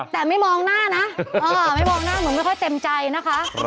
แต่ไม่มองหน้านะไม่มองหน้าเหมือนไม่ค่อยเต็มใจนะคะ